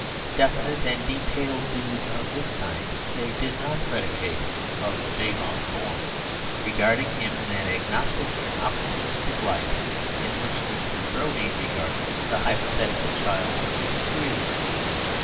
Definite and detailed dues of this kind they did not predicate of the babe unborn; regarding him in that agnostic and opportunist light in which Mr. Browdie regarded the hypothetical child of Miss Squeers.